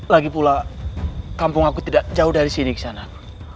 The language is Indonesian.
lagipula kampung aku tidak jauh dari sini kisanak